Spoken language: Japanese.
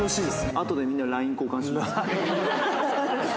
あとでみんなのＬＩＮＥ交換しますよ。